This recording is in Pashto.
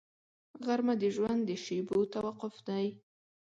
غرمه د ژوند د شېبو توقف دی